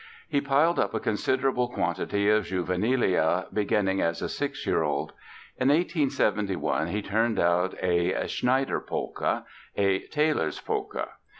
He piled up a considerable quantity of juvenilia, beginning as a six year old. In 1871 he turned out a "Schneiderpolka"—a "Tailor's Polka".